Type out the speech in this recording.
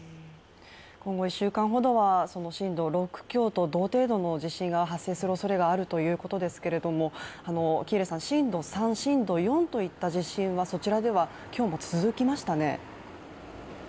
今後１週間ほどは震度６強と同程度の地震が発生するおそれがあるということですけども、喜入さん、震度３、震度４という地震はそちらでは今日も続きましたね。